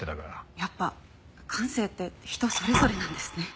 やっぱ感性って人それぞれなんですね。